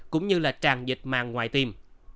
cũng như là tràn dịch màng ngoài tim